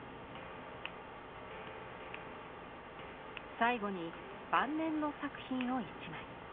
最後に晩年の作品を１枚。